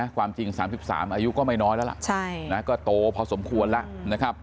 ความจริง๓๓อายุก็ไม่น้อยแล้วล่ะก็โตพอสมควรแล้วนะครับ